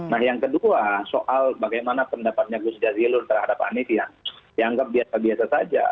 nah yang kedua soal bagaimana pendapatnya gus jazilul terhadap anies yang dianggap biasa biasa saja